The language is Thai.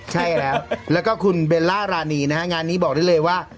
ใช่แล้วแล้วก็คุณเบลล่ารานีนะฮะงานนี้บอกได้เลยว่า